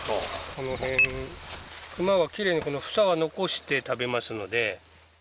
この辺、クマはきれいに房は残して食べますので。